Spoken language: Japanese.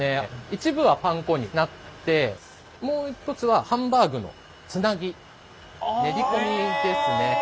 一部はパン粉になってもう一つはハンバーグのつなぎ練り込みですね。